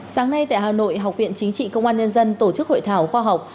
sáng nay tại hà nội học viện chính trị công an nhân dân tổ chức hội thảo khoa học